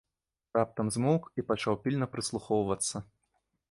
Раптам змоўк і пачаў пільна прыслухоўвацца.